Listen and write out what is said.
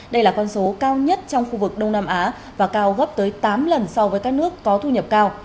đây là con số cao nhất trong khu vực đông nam á và cao gấp tới tám lần so với các nước có thu nhập cao